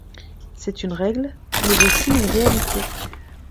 C'est une règle, mais aussi une réalité.